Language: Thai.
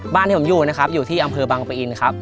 ที่ผมอยู่นะครับอยู่ที่อำเภอบังปะอินครับ